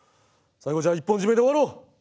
最後じゃあ一本締めで終わろう。